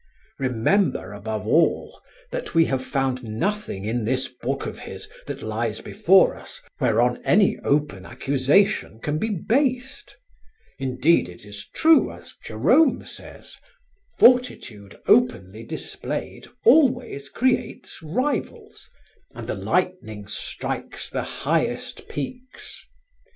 Remember above all that we have found nothing in this book of his that lies before us whereon any open accusation can be based. Indeed it is true, as Jerome says: 'Fortitude openly displayed always creates rivals, and the lightning strikes the highest peaks.'